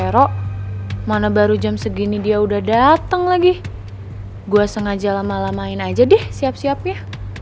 vero mana baru jam segini dia udah dateng lagi gua sengaja lama lamain aja deh siap siapnya